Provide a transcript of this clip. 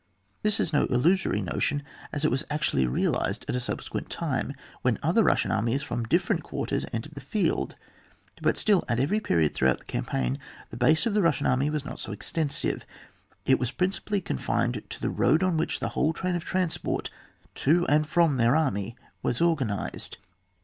This is no illusory notion, as it was actually realised at a subsequent time, when other Bussian armies from different quarters entered the field ; but still at every period throughout the campaign the base of the Bussian army was not so extensive ; it was principally confined to the road on which the whole train of transport to and from their army was organised.